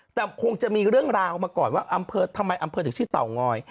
แต่คงจะมีเรื่องราวมาก่อนว่าอำเภอทำไมอำเภอถึงชื่อเตางอย